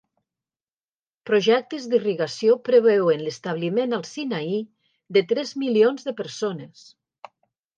Projectes d'irrigació preveuen l'establiment al Sinaí de tres milions de persones.